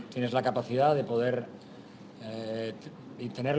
di tempat yang lebih kecil